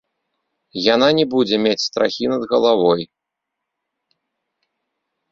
Яна не будзе мець страхі над галавой.